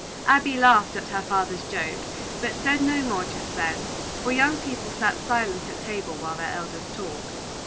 Abby laughed at her father's joke, but said no more just then; for young people sat silent at table while their elders talked.